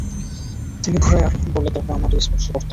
তিনি ঘোড়ায় আরোহণ করলে তার পা মাটি স্পর্শ করত।